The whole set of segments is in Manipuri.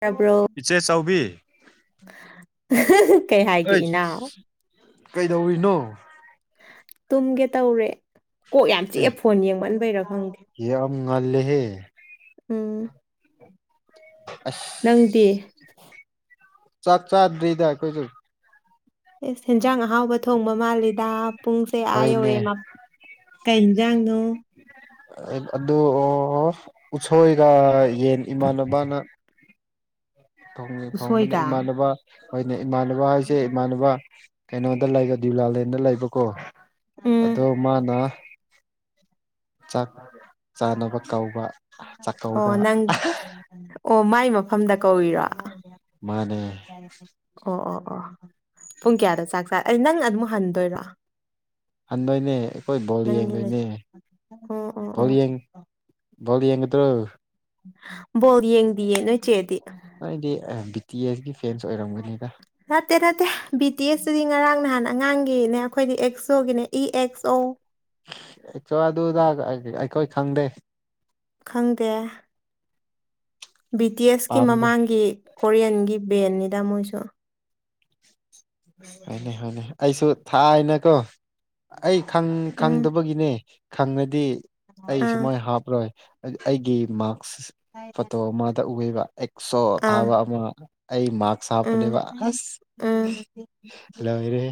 ꯇꯥꯕ꯭ꯔꯣ ꯏꯆꯦ ꯆꯥꯎꯕꯤ ꯀꯩ ꯍꯥꯏꯒꯦ ꯑꯩꯁ ꯏꯅꯥꯎ ꯀꯩꯗꯧꯔꯤꯅꯣ ꯇꯨꯝꯒꯦ ꯇꯧꯔꯦ ꯀꯣꯛ ꯌꯥꯝ ꯑꯦ ꯆꯤꯛꯑꯦ ꯐꯣꯟ ꯌꯦꯡꯃꯟꯕꯩꯔꯥ ꯈꯪꯗꯦ ꯌꯥꯝ ꯉꯜꯂꯦꯍꯦ ꯎꯝ ꯑꯁ ꯅꯪꯗꯤ ꯆꯥꯛ ꯆꯥꯗ꯭ꯔꯤꯗ ꯑꯩꯈꯣꯏꯁꯨ ꯏꯁ ꯍꯦꯟꯁꯥꯡ ꯑꯍꯥꯎꯕ ꯊꯣꯡꯕ ꯃꯥꯜꯂꯤꯗ ꯄꯨꯡꯁꯦ ꯑꯥ ꯍꯣꯏꯅꯦ ꯌꯧꯔꯦ ꯃꯄꯜ ꯀꯩ ꯌꯦꯟꯁꯥꯡꯅꯣ ꯑꯗꯨꯔꯣ ꯎꯁꯣꯏꯒ ꯌꯦꯟ ꯏꯃꯥꯟꯅꯕꯅ ꯊꯣꯡꯕꯅꯦ ꯎꯁꯣꯏꯒ ꯏꯃꯥꯟꯅꯕ ꯍꯣꯏꯅꯦ ꯏꯃꯥꯟꯅꯕ ꯍꯥꯏꯁꯦ ꯏꯃꯥꯟꯅꯕ ꯀꯩꯅꯣꯗ ꯂꯩꯕ ꯗꯤꯌꯨꯂꯥꯂꯦꯟꯗ ꯂꯩꯕꯀꯣ ꯎꯝ ꯑꯗꯣ ꯃꯥꯅ ꯆꯥꯛ ꯆꯥꯅꯕ ꯀꯧꯕ ꯑꯣ ꯆꯥꯛꯀꯧꯕ ꯅꯪ ꯑꯣ ꯃꯥꯏ ꯃꯐꯝꯗ ꯀꯧꯔꯤꯔꯣ꯫ ꯃꯥꯅꯦ꯫ ꯑꯣ ꯑꯣ ꯑꯣ ꯄꯨꯡ ꯀꯌꯥꯗ ꯆꯥꯛ ꯆꯥꯏ ꯑꯩ ꯅꯪ ꯑꯃꯨꯛ ꯍꯟꯗꯣꯏꯔꯣ꯫ ꯍꯟꯗꯣꯏꯅꯦ ꯑꯩꯈꯣꯏ ꯕꯣꯜ ꯅꯪꯒꯤ ꯂꯩ ꯌꯦꯡꯗꯣꯏꯅꯦ ꯑꯣ ꯑꯣ ꯕꯣꯜ ꯑꯣ ꯌꯦꯡ ꯕꯣꯜ ꯌꯦꯡꯒꯗ꯭ꯔꯣ꯫ ꯕꯣꯜ ꯌꯦꯡꯗꯤꯌꯦ ꯅꯣꯏ ꯆꯦꯗꯤ꯫ ꯅꯣꯏꯗꯤ ꯑ ꯕꯤ ꯇꯤ ꯑꯦꯁꯒꯤ ꯐꯦꯟꯁ ꯑꯣꯏꯔꯝꯒꯅꯤꯗ꯫ ꯅꯠꯇꯦ ꯅꯠꯇꯦ ꯕꯤ ꯇꯤ ꯑꯦꯁꯇꯨꯗꯤ ꯉꯔꯥꯡ ꯅꯍꯥꯟ ꯑꯉꯥꯡꯒꯤ ꯅꯦ ꯑꯩꯈꯣꯏꯗꯤ ꯑꯦꯛꯁꯣꯒꯤꯅꯦ ꯏ ꯑꯦꯛꯁ ꯑꯣ꯫ ꯑꯦꯛꯆꯣ ꯑꯗꯨ ꯑꯗꯥ [unintelligible] ꯑꯩꯈꯣꯏ ꯈꯪꯗꯦ꯫ ꯈꯪꯗꯦ꯫ ꯕꯤ ꯇꯤ ꯑꯦꯁꯀꯤ ꯄꯥꯝꯗꯦ ꯃꯃꯥꯡꯒꯤ ꯀꯣꯔꯤꯌꯟꯒꯤ ꯕꯦꯟꯅꯤꯗ ꯃꯣꯏꯁꯨ꯫ ꯍꯣꯏꯅꯦ ꯍꯣꯏꯅꯦ ꯑꯩꯁꯨ ꯊꯥꯏꯅꯀꯣ꯫ ꯑꯩ ꯈꯪ ꯎꯝ ꯈꯪꯗꯕꯒꯤꯅꯦ ꯈꯪꯉꯗꯤ ꯑꯩ ꯑꯥ ꯁꯨꯃꯥꯏ ꯍꯥꯞꯔꯣꯏ꯫ ꯑ ꯑꯩꯒꯤ ꯃꯥꯛꯁ ꯐꯣꯇꯣ ꯑꯃꯗ ꯎꯌꯦꯕ ꯑꯦꯛꯁꯣ ꯑꯥ ꯊꯥꯕ ꯑꯃ꯫ ꯑꯩ ꯃꯥꯛꯁ ꯎꯝ ꯍꯥꯞꯄꯅꯦꯕ ꯑꯁ ꯎꯝ ꯂꯣꯏꯔꯦꯍꯦ꯫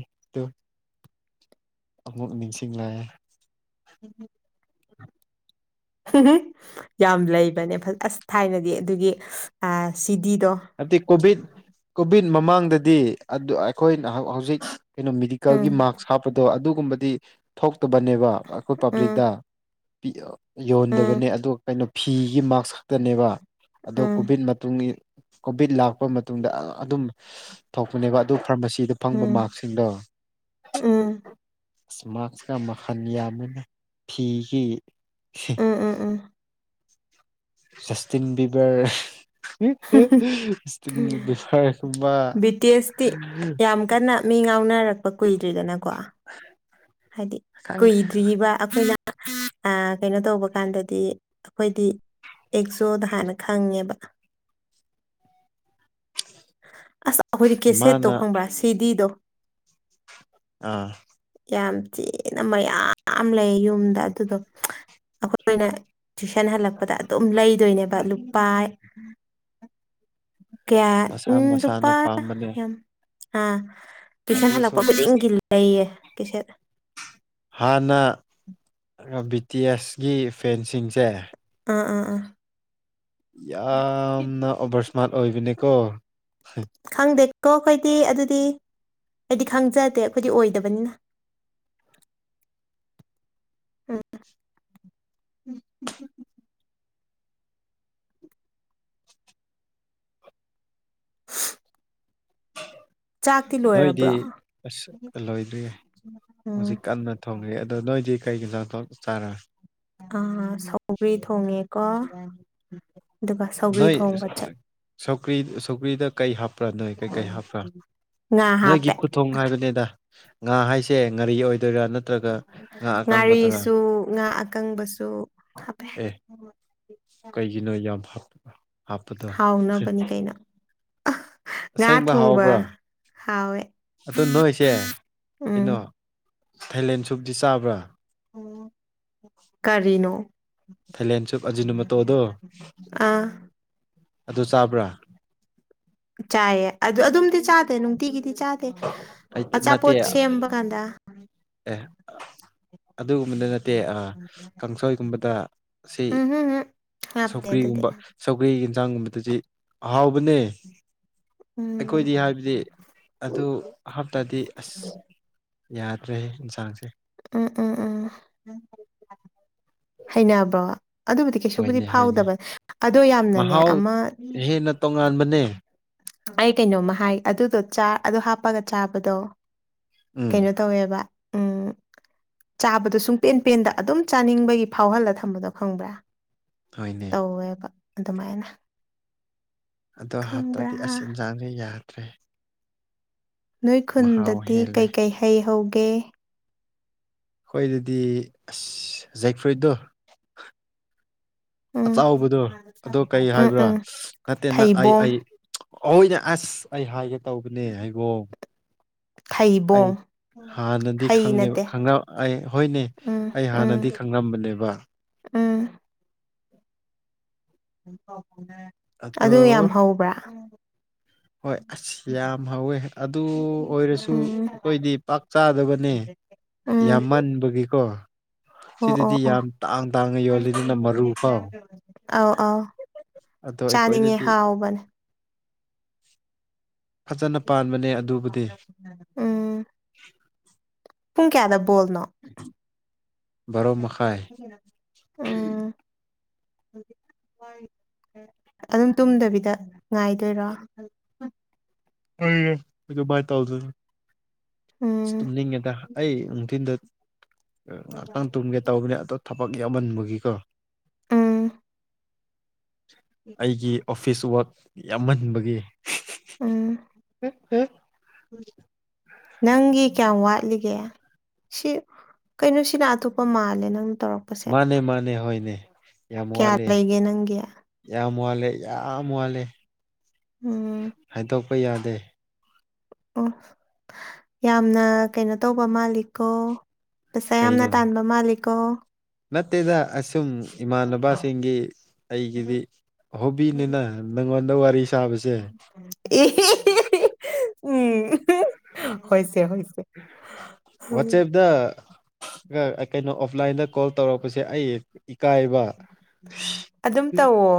ꯑꯃꯨꯛ ꯅꯤꯡꯁꯤꯡꯂꯛꯑꯦ꯫ [unintelligible] ꯌꯥꯝ ꯂꯩꯕꯅꯦ ꯐ ꯑꯁ ꯊꯥꯏꯅꯗꯤ ꯑꯗꯨꯒꯤ ꯑ ꯁꯤꯗꯤꯗꯣ꯫ ꯍꯥꯏꯕꯗꯤ ꯀꯣꯚꯤꯠ ꯀꯣꯚꯤꯠ ꯃꯃꯥꯡꯗꯗꯤ ꯑꯗꯨ ꯑꯩꯈꯣꯏꯅ ꯍꯧ-ꯍꯧꯖꯤꯛ ꯀꯩꯅꯣ ꯎꯝ ꯃꯦꯗꯤꯀꯦꯜꯒꯤ ꯃꯥꯛꯁ ꯍꯥꯞꯄꯗꯣ ꯑꯗꯨꯒꯨꯝꯕꯗꯤ ꯊꯣꯛꯇꯕꯅꯦꯕ ꯑꯩꯈꯣꯏ ꯎꯝ ꯄꯕ꯭ꯂꯤꯛꯇ꯫ ꯄꯤ ꯎꯝ ꯌꯣꯟꯗꯕꯅꯦ ꯑꯗꯨꯒ ꯀꯩꯅꯣ ꯐꯤꯒꯤ ꯃꯥꯛꯁ ꯈꯛꯇꯅꯦꯕ꯫ ꯑꯗꯣ ꯎꯝ ꯀꯣꯚꯤꯠ ꯃꯇꯨꯡꯒꯤ ꯀꯣꯚꯤꯠ ꯂꯥꯛꯄ ꯃꯇꯨꯡꯗ ꯑꯗꯨꯝ ꯊꯣꯛꯄꯅꯦꯕ ꯑꯗꯨ ꯐꯥꯔꯃꯥꯁꯤꯗ ꯐꯪꯕ ꯎꯝ ꯃꯥꯛꯁ [unintelligible] ꯎꯝ ꯑꯁ ꯃꯥꯛꯁꯀ ꯃꯈꯟ ꯌꯥꯝꯃꯦꯗ ꯐꯤꯒꯤ꯫ ꯑ ꯑ ꯑ꯫ Justin Bieber. ꯁ꯭ꯇꯤꯟ ꯕꯤꯕꯔꯒꯨꯝꯕ꯫ ꯕꯤ ꯇꯤ ꯑꯦꯁꯇꯤ ꯌꯥꯝ ꯀꯟꯅ ꯃꯤ ꯉꯥꯎꯅꯔꯛꯄ ꯀꯨꯏꯗ꯭ꯔꯤꯗꯅꯀꯣ ꯍꯥꯏꯗꯤ ꯈꯪꯗꯦ ꯀꯨꯏꯗ꯭ꯔꯤꯕ꯫ ꯑꯩꯈꯣꯏꯅ ꯑ ꯀꯩꯅꯣ ꯇꯧꯕ ꯀꯥꯟꯗꯗꯤ ꯑꯩꯈꯣꯏꯗꯤ ꯑꯦꯛꯖꯣꯅ ꯍꯥꯟꯅ ꯈꯪꯉꯦꯕ꯫ ꯑꯈꯣꯏꯗꯤ ꯀꯦꯁꯦꯠꯇꯣ ꯃꯥꯅ ꯈꯪꯕ꯭ꯔꯥ ꯁꯤꯗꯤꯗꯣ꯫ ꯑꯥ ꯌꯥꯝ ꯊꯤꯅ ꯃꯌꯥꯝ ꯂꯩ ꯌꯨꯝꯗ ꯑꯗꯨꯗꯣ ꯑꯈꯣꯏꯅ ꯇꯨꯏꯁꯟ ꯍꯜꯂꯛꯄꯗ ꯑꯗꯨꯝ ꯂꯩꯗꯣꯏꯅꯦꯕ ꯂꯨꯄꯥ ꯀꯌꯥ ꯃꯁꯥ ꯎꯝ ꯃꯁꯥꯅ ꯂꯨꯄꯥ ꯄꯥꯝꯕꯅꯦ ꯌꯥꯝ ꯑ ꯇꯨꯏꯁꯟ ꯑꯗꯨꯁꯨ ꯍꯜꯂꯛꯄ ꯑꯁ ꯈꯨꯗꯤꯡꯒꯤ ꯂꯩꯌꯦ ꯀꯦꯁꯦꯠ꯫ ꯍꯥꯟꯅ ꯕꯤ ꯇꯤ ꯑꯦꯁꯒꯤ ꯐꯦꯟꯁꯤꯡꯁꯦ꯫ ꯑ ꯑ ꯑ꯫ ꯌꯥꯝꯅ ꯑꯣꯕꯔ ꯏꯁꯃꯥꯔꯠ ꯑꯣꯏꯕꯅꯦꯀꯣ꯫ ꯈꯪꯗꯦꯀꯣ ꯑꯩꯈꯣꯏꯗꯤ ꯑꯗꯨꯗꯤ ꯑꯩꯗꯤ ꯈꯪꯖꯗꯦ ꯑꯩꯈꯣꯏꯗꯤ ꯑꯣꯏꯗꯕꯅꯤꯅ꯫ ꯑ꯫ ꯆꯥꯛꯇꯤ ꯅꯣꯏꯗꯤ ꯂꯣꯏꯔꯕ꯭ꯔꯣ ꯑꯁ ꯂꯣꯏꯗ꯭ꯔꯤꯌꯦ ꯎꯝ ꯍꯧꯖꯤꯛ ꯀꯟꯅ ꯊꯣꯡꯉꯤ ꯑꯗꯣ ꯅꯣꯏꯗꯤ ꯀꯩ ꯏꯟꯖꯥꯡ ꯊꯣꯡ ꯆꯥꯔꯦ꯫ ꯑ ꯁꯧꯒ꯭ꯔꯤ ꯊꯣꯡꯉꯦꯀꯣ꯫ ꯑꯗꯨꯒ ꯁꯧꯒ꯭ꯔꯤ ꯅꯣꯏ ꯊꯣꯡꯕ ꯆꯠ [inaudible] ꯁꯧꯒ꯭ꯔꯤ ꯁꯧꯒ꯭ꯔꯤꯗ꯫ ꯀꯩ ꯍꯥꯞꯄ꯭ꯔꯥ ꯅꯣꯏ ꯀꯩꯀꯩ ꯍꯥꯞꯄ꯭ꯔꯥ ꯉꯥ ꯅꯣꯏꯒꯤ ꯍꯥꯞꯄꯦ ꯈꯨꯠ ꯊꯣꯡ ꯍꯥꯏꯕꯅꯤꯗ ꯉꯥ ꯍꯥꯏꯁꯦ ꯉꯔꯤ ꯑꯣꯏꯗꯣꯏꯔꯥ ꯅꯠꯇ꯭ꯔꯒ ꯉꯥ ꯑꯀꯪꯕꯗꯨꯔꯥ ꯉꯥꯔꯤꯁꯨ ꯉꯥ ꯑꯀꯪꯕꯁꯨ ꯍꯥꯞꯄꯦ ꯑꯦ ꯀꯩꯒꯤꯅꯣ ꯌꯥꯝ ꯐ ꯍꯥꯎꯅꯕꯅꯤ ꯀꯩꯅꯣ ꯑꯥ ꯉꯥ ꯑꯁꯦꯡꯕ ꯊꯣꯡꯕ ꯍꯥꯎꯕ꯭ꯔꯥ ꯍꯥꯎꯋꯦ ꯑꯗꯣ ꯅꯣꯏꯁꯦ ꯀꯩꯅꯣ ꯎꯝ ꯊꯥꯏꯂꯦꯟ ꯁꯨꯞꯗꯤ ꯆꯥꯕ꯭ꯔꯥ [unintelligible] ꯀꯔꯤꯅꯣ ꯊꯥꯏꯂꯦꯟꯁꯨꯞ ꯑꯖꯤꯅ ꯃꯣꯇꯣꯗꯣ ꯑꯥ ꯑꯗꯨ ꯆꯥꯕ꯭ꯔꯥ ꯆꯥꯏꯌꯦ ꯑꯗꯨ ꯑꯗꯨꯝꯗꯤ ꯆꯥꯗꯦ ꯅꯨꯡꯇꯤꯒꯤꯗꯤ ꯆꯥꯗꯦ ꯑꯩ ꯅꯠꯇꯦ ꯑꯆꯥꯄꯣꯠ ꯁꯦꯝꯕ ꯀꯥꯟꯗ ꯑꯦ ꯑꯗꯨꯒꯨꯝꯕꯗ ꯅꯠꯇꯦ ꯑꯥ ꯀꯥꯡꯁꯣꯏꯒꯨꯝꯕꯗ ꯁꯤ ꯎꯝ ꯍꯝ ꯍꯝ ꯍꯥꯞꯇꯦ ꯑꯗꯨꯗꯤ ꯁꯧꯒ꯭ꯔꯤ ꯌꯦꯟꯁꯥꯡꯒꯨꯝꯕꯗꯨꯗꯤ ꯑꯍꯥꯎꯕꯅꯦ ꯎꯝ ꯑꯩꯈꯣꯏꯗꯤ ꯍꯥꯏꯕꯗꯤ ꯑꯗꯨ ꯍꯥꯞꯇꯥꯗꯤ ꯑꯁ ꯌꯥꯗ꯭ꯔꯦ ꯏꯟꯁꯥꯡꯁꯦ ꯎꯝ ꯎꯝ ꯎꯝ [unintelligible] ꯍꯩꯅꯕꯣ ꯑꯗꯨꯕꯨꯗꯤ ꯀꯩꯁꯨꯕꯨꯗꯤ ꯍꯣꯏꯅꯦ ꯍꯣꯏꯅꯦ ꯐꯥꯎꯗꯕ ꯑꯗꯣ ꯌꯥꯝꯅꯅꯦ ꯃꯍꯥꯎ ꯑꯃ ꯍꯦꯟꯅ ꯇꯣꯉꯥꯟꯕꯅꯦ [unintelligible] ꯑꯩ ꯀꯩꯅꯣꯝꯃ ꯍꯥꯏ ꯑꯗꯨꯗꯣ ꯆꯥ ꯑꯗꯨ ꯍꯥꯞꯄꯒ ꯆꯥꯕꯗꯣ ꯎꯝ ꯀꯩꯅꯣ ꯇꯧꯋꯦꯕ ꯎꯝ ꯆꯥꯕꯗꯣ ꯁꯨꯡꯄꯦꯟ ꯄꯦꯟꯗ ꯑꯗꯨꯝ ꯆꯥꯅꯤꯡꯕꯒꯤ ꯐꯥꯎꯍꯜꯂ ꯊꯝꯕꯗꯣ ꯈꯪꯕ꯭ꯔꯥ ꯍꯣꯏꯅꯦ ꯇꯧꯋꯦꯕ ꯑꯗꯨꯃꯥꯏꯅ ꯑꯗꯣ ꯈꯪꯕ꯭ꯔꯥ ꯍꯞꯇꯥꯗꯤ ꯑꯁ ꯏꯟꯖꯥꯡꯖꯦ ꯌꯥꯗ꯭ꯔꯦ ꯅꯣꯏ ꯃꯍꯥꯎ ꯈꯨꯟꯗꯗꯤ ꯍꯦꯜꯂꯦ ꯀꯩ ꯀꯩ ꯍꯩ ꯍꯧꯒꯦ ꯈꯣꯢꯗꯗꯤ ꯑꯁ ꯖꯦꯛ ꯐ꯭ꯔꯨꯏꯠꯗꯣ ꯎꯝ ꯑꯆꯥꯎꯕꯗꯣ ꯑꯗꯨ ꯀꯩ ꯎꯝ ꯍꯥꯏꯕ꯭ꯔꯥ ꯎꯝ ꯅꯠꯇꯦ ꯅ ꯑꯥꯏ ꯊꯩꯕꯣꯡ ꯑꯥꯏ [unintelligible] ꯍꯣꯏꯅꯦ ꯑꯁ ꯑꯩ ꯍꯥꯏꯒꯦ ꯇꯧꯕꯅꯦ ꯍꯩꯕꯣꯡ ꯑꯩ ꯊꯩꯕꯣꯡ ꯍꯥꯟꯅꯗꯤ ꯍꯩ ꯈꯪꯉꯦꯕ ꯅꯠꯇꯦ ꯈꯪꯔꯝ ꯑꯩ ꯍꯣꯏꯅꯦ ꯎꯝ ꯑꯩ ꯎꯝ ꯍꯥꯟꯅꯗꯤ ꯈꯪꯔꯝꯕꯅꯦꯕꯥ ꯎꯝ [unintelligible] [unintelligible] ꯑꯗꯨ ꯌꯥꯝ ꯑꯗꯣ ꯍꯧꯕ꯭ꯔꯥ ꯍꯣꯏ ꯑꯁ ꯌꯥꯝ ꯍꯧꯋꯦ ꯑꯗꯨ ꯑꯣꯏꯔꯁꯨ ꯎꯝ ꯑꯈꯣꯏꯗꯤ ꯄꯥꯛ ꯆꯥꯗꯕꯅꯦ ꯎꯝ ꯌꯥꯝꯃꯟꯕꯒꯤꯀꯣ ꯑꯣ ꯑꯣ ꯁꯤꯗꯗꯤ ꯑꯣ ꯌꯥꯝ ꯇꯥꯡ ꯇꯥꯡꯉ ꯌꯣꯜꯂꯤꯗꯅ ꯃꯔꯨ ꯐꯥꯎ ꯑꯥꯎ ꯑꯥꯎ [unintelligible] ꯑꯗꯣ ꯆꯥꯅꯤꯡꯉꯦ ꯑꯩꯈꯣꯏꯗꯗꯤ ꯍꯥꯎꯕꯅꯦ ꯐꯖꯅ ꯄꯥꯟꯕꯅꯦ ꯑꯗꯨꯕꯨꯗꯤ [unintelligible] ꯎꯝ ꯄꯨꯡ ꯀꯌꯥꯗ ꯕꯣꯜꯅꯣ ꯕꯥꯔꯣ ꯃꯈꯥꯏ ꯎꯝ [unintelligible] [unintelligible] ꯑꯗꯨꯝ ꯇꯨꯝꯗꯕꯤꯗ ꯉꯥꯏꯗꯣꯏꯔꯣ ꯍꯣꯢꯌꯦ ꯑꯗꯨꯃꯥꯢ ꯇꯧꯗꯣꯢꯅꯤ ꯁ ꯎꯝ ꯇꯨꯝꯅꯤꯡꯉꯦꯗꯥ ꯑꯩ ꯅꯨꯡꯊꯤꯟꯗ ꯑ ꯉꯥꯛꯇꯪ ꯇꯨꯝꯒꯦ ꯇꯧꯕꯅꯦ ꯑꯗꯣ ꯊꯕꯛ ꯌꯥꯝꯃꯟꯕꯒꯤꯀꯣ ꯎꯝ [unintelligible] ꯏ ꯑꯩꯒꯤ ꯑꯣꯐꯤꯁ ꯋꯥꯛ ꯌꯥꯝꯃꯟꯕꯒꯤ ꯎꯝ ꯍꯨ ꯍꯨꯝ ꯅꯪꯒꯤ ꯀ꯭ꯌꯥꯝ ꯋꯥꯠꯂꯤꯒꯦ ꯁꯤ ꯀꯩꯅꯣꯁꯤꯅ ꯑꯇꯣꯞꯄ ꯃꯥꯜꯂꯦ ꯅꯪ ꯇꯧꯔꯛ ꯃꯥꯅꯦ ꯃꯥꯅꯦ ꯍꯣꯏꯅꯦ ꯌꯥꯝ ꯀꯌꯥ ꯋꯥꯠꯂꯤ ꯂꯩꯒꯦ ꯅꯪꯒꯤ ꯌꯥꯝ ꯋꯥꯜꯂꯤ ꯌꯥꯝ ꯋꯥꯠꯂꯦ ꯎꯝ ꯍꯥꯏꯗꯣꯛꯄ ꯌꯥꯗꯦ ꯑꯣ ꯌꯥꯝꯅ ꯀꯩꯅꯣ ꯇꯧꯕ ꯃꯥꯜꯂꯤꯀꯣ ꯄꯩꯁꯥ ꯌꯥꯝꯅ ꯀꯩꯅꯣ ꯇꯥꯟꯕ ꯃꯥꯜꯂꯤꯀꯣ ꯅꯠꯇꯦꯗ ꯑꯁꯨꯝ ꯏꯃꯥꯟꯅꯕꯁꯤꯡꯒꯤ ꯑꯩꯒꯤꯗꯤ ꯍꯣꯕꯤꯅꯤꯅ ꯅꯪꯉꯣꯟꯗ ꯋꯥꯔꯤ ꯁꯥꯕꯁꯦ ꯑꯦ ꯍꯦ ꯍꯦ ꯍꯤ ꯎꯝ ꯍꯣꯢꯁꯦ ꯍꯣꯢꯁꯦ ꯋꯥꯆꯦꯞꯗ ꯑꯥ ꯀꯩꯅꯣ ꯑꯣꯐꯂꯥꯏꯟꯗ ꯀꯣꯜ ꯇꯧꯔꯛꯄꯁꯦ ꯑꯩ ꯏꯀꯥꯏꯕ ꯑꯗꯨꯝ ꯇꯧꯋꯣ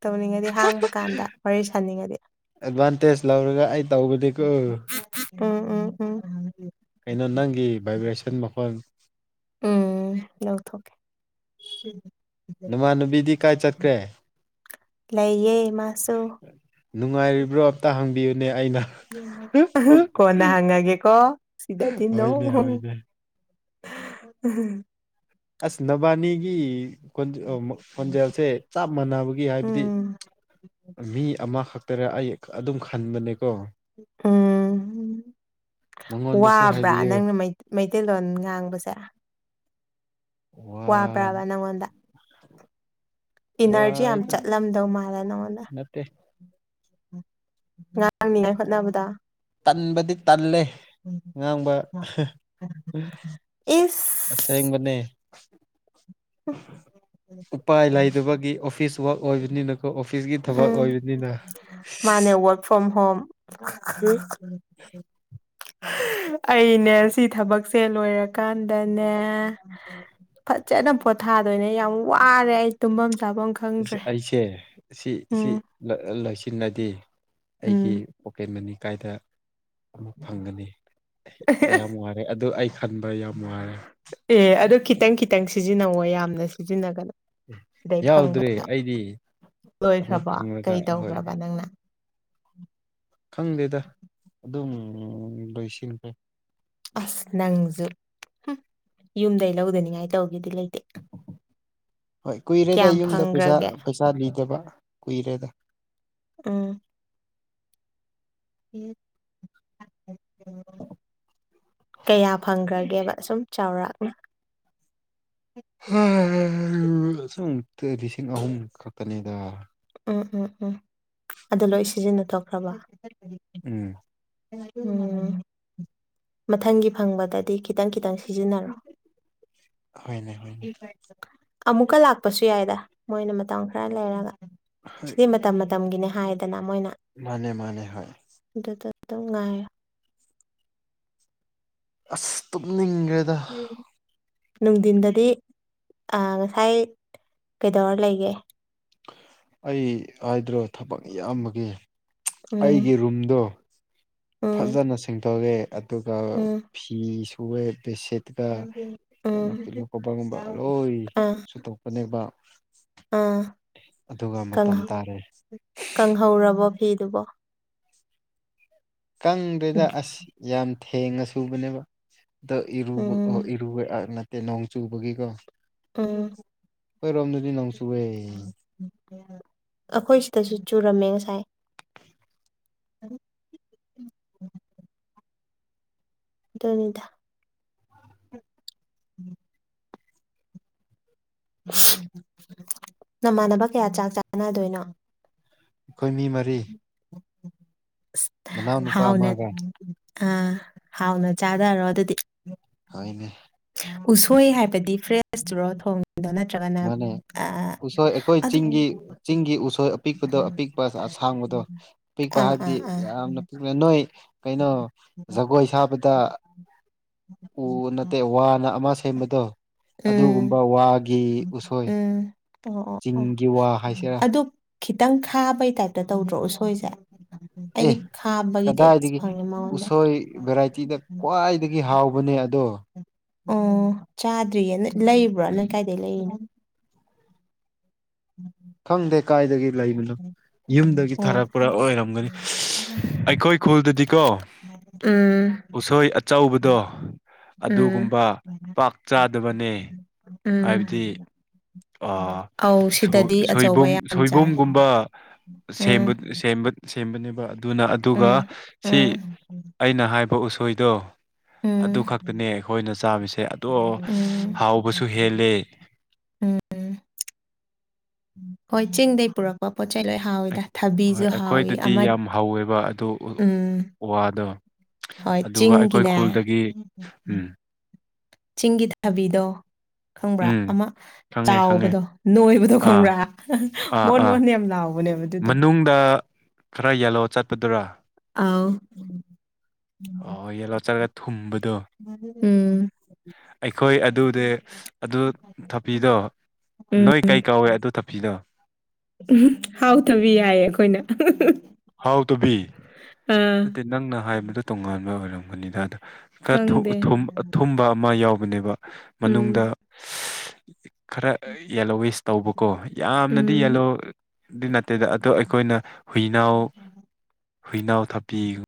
ꯇꯧꯅꯤꯡꯉꯗꯤ ꯍꯥꯡꯕ ꯀꯥꯟꯗ ꯋꯥꯔꯤ ꯁꯥꯥꯟꯅꯤꯡꯉꯗꯤ ꯑꯦꯗꯚꯥꯟꯇꯦꯖ ꯂꯧꯔꯒ ꯑꯩ ꯇꯧꯕꯗꯤ ꯀꯣ ꯎꯝ ꯎꯝ ꯎꯝ ꯀꯩꯅꯣ ꯅꯪꯒꯤ ꯚꯥꯏꯕ꯭ꯔꯦꯁꯟ ꯃꯈꯣꯟ ꯎꯝ ꯂꯧꯊꯣꯛꯀꯦ ꯎꯝ ꯅꯃꯥꯟꯅꯕꯤꯗꯤ ꯀꯥꯏ ꯆꯠꯈ꯭ꯔꯦ ꯂꯩꯌꯦ ꯃꯥꯁꯨ ꯅꯨꯡꯉꯥꯏꯔꯤꯕ꯭ꯔꯣ ꯑꯝꯇ ꯍꯪꯕꯤꯌꯨꯅꯦ ꯑꯩꯅ [unintelligible] ꯀꯣꯟꯅ ꯍꯪꯉꯒꯦꯀꯣ ꯁꯤꯗꯗꯤ ꯅꯣ ꯍꯣꯏꯅꯦ ꯍꯣꯏꯅꯦ [unintelligible] ꯑꯁ ꯅꯕꯥꯅꯤꯒꯤ ꯈꯣꯟꯖꯦ ꯑꯣ ꯃꯛ ꯈꯣꯟꯖꯦꯜꯁꯦ ꯆꯞ ꯃꯥꯟꯅꯕꯒꯤ ꯍꯥꯏꯕꯗꯤ ꯎꯝ ꯃꯤ ꯑꯃꯈꯛ ꯇꯔꯥ ꯑꯩ ꯑꯗꯨꯝ ꯈꯟꯕꯅꯦꯀꯣ ꯎꯝ ꯃꯉꯣꯟꯗꯁꯨ ꯋꯥꯕ꯭ꯔꯥ ꯍꯥꯏꯕꯤꯌꯨ ꯅꯪꯅ ꯃꯩ ꯃꯩꯇꯩꯂꯣꯟ ꯉꯥꯡꯕꯁꯦ ꯋꯥꯟ ꯋꯥꯕ꯭ꯔꯕ ꯅꯪꯉꯣꯟꯗ ꯏꯅꯔꯖꯤ ꯌꯥꯝ ꯋꯥꯏꯗ ꯆꯠꯂꯝꯗꯧ ꯃꯥꯜꯂꯦ ꯅꯉꯣꯟꯗ ꯅꯠꯇꯦ ꯉꯥꯡꯅꯤꯉꯥꯏ ꯍꯣꯠꯅꯕꯗ ꯇꯟꯕꯗꯤ ꯇꯜꯂꯦ ꯉꯥꯡꯕ ꯏꯁ ꯑꯁꯦꯡꯕꯅꯦ ꯎꯄꯥꯏ ꯂꯩꯗꯕꯒꯤ ꯑꯣꯐꯤꯁ ꯋꯥꯛ ꯑꯣꯏꯕꯅꯤꯅ ꯈꯣ ꯑꯣꯐꯤꯁꯒꯤ ꯎꯝ ꯃꯥꯅꯦ ꯋꯥꯔ꯭ꯛ ꯐ꯭ꯔꯣꯝ ꯍꯣꯝ [unintelligible] ꯑꯩꯅꯦ ꯁꯤ ꯊꯕꯛꯁꯦ ꯂꯣꯏꯔꯀꯥꯟꯗꯅꯦ ꯐꯖꯅ ꯄꯣꯊꯥꯗꯣꯏꯅꯦ ꯌꯥꯝ ꯋꯥꯔꯦ ꯑꯩ ꯇꯨꯝꯕꯝ ꯆꯥꯕꯝ ꯑꯩꯁꯦ ꯁꯤ ꯁꯤ ꯂꯣ ꯂꯣꯏꯁꯤꯜꯂꯗꯤ ꯎꯝ ꯑꯩꯒꯤ ꯄꯣꯀꯦꯠ ꯃꯅꯤ ꯀꯥꯏꯗ ꯑꯃꯨꯛ ꯐꯪꯒꯅꯤ ꯌꯥꯝꯋꯥꯔꯦ ꯑꯗꯨ ꯑꯩ ꯈꯟꯕ ꯌꯥꯝ ꯋꯥꯔꯦ ꯑꯦ ꯑꯗꯨ ꯈꯤꯇꯪ ꯈꯤꯇꯪ ꯁꯤꯖꯤꯟꯅꯧꯋꯣ ꯌꯥꯝꯅ ꯁꯤꯖꯤꯟꯅꯒꯅꯨ ꯁꯤꯗꯩ ꯌꯥꯎꯗ꯭ꯔꯦ ꯐꯪꯕꯗꯣ ꯑꯩꯗꯤ ꯑꯃꯨꯛ ꯂꯣꯏꯈ꯭ꯔꯕꯣ ꯐꯪꯂꯒ ꯀꯩ ꯍꯣꯏ ꯗꯧꯈ꯭ꯔꯕ ꯅꯪꯅ ꯈꯪꯗꯦꯗ ꯑꯗꯨꯝ ꯂꯣꯏꯁꯤꯟꯈ꯭ꯔꯦ ꯑꯁ ꯅꯪꯖꯨ ꯍꯨꯝ ꯌꯨꯝꯗꯩ ꯂꯧꯗꯅꯤꯡꯉꯥꯏ ꯇꯧꯒꯦꯗꯤ ꯂꯩꯇꯦ ꯍꯣꯏ ꯀꯨꯏꯔꯦꯗ ꯀꯌꯥꯝ ꯌꯨꯝꯗ ꯄꯩꯁꯥ ꯐꯪꯈ꯭ꯔꯒꯦ ꯄꯩꯁꯥ ꯅꯤꯗꯕ ꯀꯨꯏꯔꯦꯗ ꯑꯝ ꯀꯌꯥ ꯐꯪꯈ꯭ꯔꯒꯦꯕ ꯁꯨꯝ ꯆꯥꯎꯔꯥ [unintelligible] ꯁꯨꯝ ꯇꯦ ꯂꯤꯁꯤꯡ ꯑꯍꯨꯝ ꯈꯛꯇꯅꯤꯗ ꯑꯣ ꯑꯣ ꯑꯣ ꯑꯗꯨ ꯂꯣꯏ ꯁꯤꯖꯤꯟꯅ ꯊꯣꯛꯈ꯭ꯔꯕ ꯎꯝ ꯑꯝ ꯃꯊꯪꯒꯤ ꯐꯪꯕꯗꯗꯤ ꯈꯤꯇꯪ ꯈꯤꯇꯪ ꯁꯤꯖꯤꯟꯅꯔꯣ ꯍꯣꯢꯅꯦ ꯑꯃꯨꯛꯀ ꯂꯥꯛꯄꯁꯨ ꯌꯥꯏꯗ ꯃꯣꯏꯅ ꯃꯇꯝ ꯈꯔ ꯂꯩꯔꯒ ꯍꯣꯏ ꯁꯤꯗꯤ ꯃꯇꯝ ꯃꯇꯝꯒꯤꯅꯤ ꯍꯥꯏꯗꯅ ꯃꯣꯏꯅ ꯃꯥꯅꯦ ꯃꯥꯅꯦ ꯍꯣꯢ ꯑꯗꯨꯗꯣ ꯑꯗꯨꯝ ꯉꯥꯢꯌꯣ ꯑꯁ ꯇꯨꯝꯅꯤꯡꯒ꯭ꯔꯦꯗ ꯎꯝ ꯅꯨꯡꯗꯤꯟꯗꯗꯤ ꯑꯥ ꯉꯁꯥꯏ ꯀꯩꯗꯧꯔ ꯂꯩꯒꯦ ꯑꯩ ꯍꯥꯏꯗ꯭ꯔꯣ ꯊꯕꯛ ꯌꯥꯝꯕꯒꯤ ꯎꯝ ꯑꯩꯒꯤ ꯔꯨꯝꯗꯣ ꯎꯝ ꯐꯖꯅ ꯁꯦꯡꯗꯣꯛꯑꯦ ꯑꯗꯨꯒ ꯎꯝ ꯐꯤ ꯁꯨꯑꯦ ꯕꯦꯠꯁꯤꯠ ꯎꯝ ꯑꯗꯨꯒ ꯄꯤꯂꯣ ꯀꯣꯕꯔꯒꯨꯝꯕ ꯂꯣꯏ ꯑꯥ ꯁꯨꯇꯣꯛꯄꯅꯦꯕ ꯑꯥ ꯑꯗꯨꯒ ꯃꯇꯝ ꯀꯪꯍꯧ ꯇꯥꯔꯦ ꯀꯪꯍꯧꯔꯕꯣ ꯐꯤꯗꯨꯕꯣ ꯀꯪꯗꯦꯗ ꯑꯁ ꯌꯥꯝ ꯊꯦꯡꯅ ꯁꯨꯕꯅꯦꯕ ꯗꯣ ꯏꯔꯨꯕ ꯎꯝ ꯏꯔꯨꯕ ꯅꯠꯇꯦ ꯅꯣꯡ ꯆꯨꯕꯒꯤꯀꯣ ꯎꯝ ꯈꯣꯏꯔꯣꯝꯗꯗꯤ ꯅꯣꯡ ꯆꯨꯋꯦ ꯑꯈꯣꯏ ꯁꯤꯗꯁꯨ ꯆꯨꯔꯝꯃꯦ ꯉꯁꯥꯏ [inaudible] ꯑꯗꯨꯅꯤꯗ ꯅꯃꯥꯟꯅꯕ ꯀꯌꯥ ꯆꯥꯛ ꯆꯥꯅꯗꯣꯏꯅꯣ ꯑꯈꯣꯏ ꯃꯤ ꯃꯔꯤ ꯑꯁ ꯃꯅꯥꯎꯅꯨꯄꯥ ꯍꯥꯎꯅ ꯑꯃꯒ ꯑꯥ ꯍꯥꯎꯅ ꯆꯥꯗꯔꯣ ꯑꯗꯨꯗꯤ ꯍꯣꯢꯅꯦ ꯎꯁꯣꯏ ꯍꯥꯏꯕꯗꯤ ꯐ꯭ꯔꯦꯁꯇꯨꯔꯣ ꯊꯣꯡ ꯃꯥꯅꯦ ꯎꯁꯣꯏ ꯑꯩꯈꯣꯏ ꯑꯗꯨ ꯆꯤꯡꯒꯤ ꯆꯤꯡꯒꯤ ꯎꯁꯣꯏ ꯑꯄꯤꯛꯄꯗꯣ ꯑꯄꯤꯛ ꯄꯤꯛꯄ ꯑꯁꯥꯡꯕꯗꯣ ꯄꯤꯛꯄ ꯑꯥ ꯍꯥꯏꯕꯗꯤ ꯑꯥ ꯑꯥ ꯌꯥꯝꯅ ꯅꯣꯏ ꯀꯩꯅꯣ ꯖꯒꯣꯏ ꯁꯥꯕ ꯇꯥ ꯎ ꯅꯠꯇꯦ ꯋꯥꯅ ꯑꯃ ꯁꯦꯝꯕꯗꯣ ꯎꯝ ꯑꯗꯨꯒꯨꯝꯕ ꯋꯥꯒꯤ ꯎꯁꯣꯏ ꯎꯝ ꯑꯣ ꯑꯣ ꯑꯣ ꯆꯤꯡꯒꯤ ꯋꯥ ꯍꯥꯏꯁꯤꯔꯥ ꯑꯗꯨ ꯈꯤꯇꯪ ꯈꯥꯕꯩ ꯇꯥꯏꯞꯇ ꯇꯧꯗ꯭ꯔꯣ ꯎꯁꯣꯏꯁꯦ ꯑꯦ ꯑꯩꯗꯤ ꯈꯥꯕꯒꯤ ꯇꯦꯁ ꯀꯗꯥꯏꯗꯒꯤ ꯐꯪꯉꯦ ꯃꯉꯣꯟꯗꯩ ꯎꯁꯣꯏ ꯚꯦꯔꯥꯏꯇꯤꯗ ꯈ꯭ꯋꯥꯏꯗꯒꯤ ꯍꯥꯎꯕꯅꯦ ꯑꯗꯣ ꯑꯣ ꯆꯥꯗ꯭ꯔꯤꯌꯦ ꯂꯩꯕ꯭ꯔꯣ ꯅꯣꯏ ꯀꯥꯏꯗꯩ ꯂꯩꯔꯤꯅꯣ ꯈꯪꯗꯦ ꯀꯥꯏꯗꯒꯤ ꯂꯩꯕꯅꯣ ꯌꯨꯝꯗꯒꯤ ꯑꯣ ꯊꯥꯔꯛꯄ꯭ꯔ ꯑꯣꯏꯔꯝꯒꯅꯤ ꯑꯩꯈꯣꯏ ꯈꯨꯜꯗꯗꯤꯀꯣ ꯎꯝ ꯎꯁꯣꯏ ꯑꯆꯧꯕꯗꯣ ꯎꯝ ꯑꯗꯨꯒꯨꯝꯕ ꯄꯥꯛ ꯆꯥꯗꯕꯅꯦ꯫ ꯎꯝ ꯍꯥꯏꯕꯗꯤ ꯑꯥ ꯑꯧ ꯁꯣꯏ ꯁꯤꯗꯗꯤ ꯑꯆꯧꯕ ꯁꯣꯏꯕꯨꯝ ꯌꯥꯝ ꯆꯥꯏ ꯁꯣꯏꯕꯨꯝꯒꯨꯝꯕ ꯎꯝ ꯁꯦꯝꯕ ꯁꯦꯝꯕ ꯁꯦꯝꯕꯅꯦꯕ ꯑꯗꯨꯅ ꯑꯗꯨꯒ ꯎꯝ ꯁꯤ ꯎꯝ ꯑꯩꯅ ꯍꯥꯏꯕ ꯎꯁꯣꯏꯗꯣ꯫ ꯑꯗꯨ ꯎꯝ ꯈꯛꯇꯅꯦ ꯑꯈꯣꯏꯅ ꯆꯥꯕꯁꯦ ꯑꯗꯣ ꯎꯝ ꯍꯥꯎꯕꯁꯨ ꯍꯦꯜꯂꯦ꯫ ꯎꯝ ꯍꯣꯏ ꯆꯤꯡꯗꯩ ꯄꯨꯔꯛꯄ ꯄꯣꯠ ꯆꯩ ꯂꯣꯏ ꯍꯥꯎꯋꯤꯗ ꯑꯩ- ꯍꯣꯏ ꯊꯕꯤꯖꯨ ꯍꯥꯎꯋꯤ ꯑꯩꯈꯣꯏꯗꯗꯤ ꯑꯃ ꯌꯥꯝ ꯍꯧꯋꯦꯕ ꯑꯗꯨ ꯎ- ꯎꯝ꯫ ꯋꯥꯗꯣ ꯍꯣꯏ ꯑꯗꯨꯒ ꯑꯩꯈꯣꯏ ꯆꯤꯡꯒꯤꯅꯦ ꯈꯨꯜꯗꯒꯤ ꯎꯝ꯫ ꯆꯤꯡꯒꯤ ꯊꯥꯕꯤꯗꯣ ꯈꯪꯕ꯭ꯔꯥ ꯎꯝ ꯑꯃ ꯈꯪꯉꯦ ꯈꯪꯉꯦ ꯆꯥꯎꯕꯗꯣ ꯅꯣꯏꯕꯗꯣ ꯑꯥ ꯈꯪꯕ꯭ꯔꯥ ꯃꯣꯟ-ꯃꯣꯟ ꯌꯥꯝ ꯂꯥꯎꯕꯅꯦꯕ ꯑꯗꯨꯗꯣ꯫ ꯗ ꯈꯔ ꯌꯦꯜꯂꯣ ꯆꯥꯠꯄꯗꯨꯔꯥ꯫ ꯑꯥꯎ꯫ ꯑꯣ ꯌꯦꯂꯣ ꯆꯥꯠꯔꯒ ꯊꯨꯝꯕꯗꯣ꯫ ꯎꯝ ꯑꯩꯈꯣꯏ ꯑꯗꯨꯗꯦ ꯑꯗꯨ ꯊꯥꯞꯄꯤꯗꯣ ꯎꯝ ꯅꯣꯏ ꯀꯩ ꯀꯧꯋꯦ ꯑꯗꯨ ꯊꯥꯄꯤꯗꯣ꯫ [unintelligible] ꯍꯥꯎꯊꯕꯤ ꯍꯥꯏꯌꯦ ꯑꯈꯣꯏꯅ꯫ ꯍꯥꯎ ꯇꯥꯕꯤ꯫ ꯅꯠꯇꯦ ꯅꯪꯅ ꯍꯥꯏꯕꯗꫭ ꯇꯣꯉꯥꯟꯕ ꯑꯣꯏꯔꯝꯒꯅꯤꯗ ꯈꯥ ꯊꯨ ꯈꯪꯗꯦ ꯊꯨꯝ ꯑꯊꯨꯝꯕ ꯑꯃ ꯌꯥꯎꯕꯅꯦꯕ ꯃꯅꯨꯡꯗ ꯎꯝ ꯈꯔ ꯌꯦꯜꯂꯣꯋꯤꯁ ꯇꯧꯕꯀꯣ ꯌꯥꯝꯅꯗꯤ ꯎꯝ ꯌꯦꯜꯂꯣ ꯑꯗꯨꯏ ꯅꯠꯇꯦꯗ ꯑꯗꯣ ꯑꯩꯈꯣꯏꯅ ꯍꯨꯏꯅꯥꯎ ꯍꯨꯏꯅꯥꯎ ꯊꯄꯤ